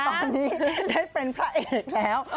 ตอนนี้ได้เป็นพระเอกแล้ว